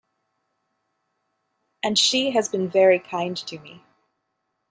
And she has been very kind to me.